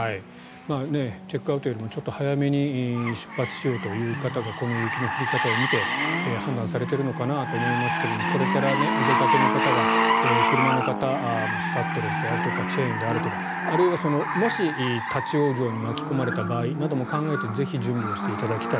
チェックアウトよりも少し早めに出発しようという方がこの雪の降り方を見て判断されているのかなと思いますがこれからお出かけの方車の方はスタッドレスであるとかチェーンであるとかあるいは、もし、立ち往生に巻き込まれた場合なども考えてぜひ準備をしていただきたい。